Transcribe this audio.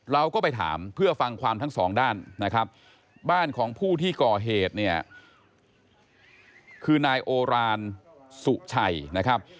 เราก็ไปถามเพื่อฟังความทั้งสองด้านนะครับบ้านของผู้ที่ก่อเหตุเนี่ยคือนายโอรานสุชัยนะครับ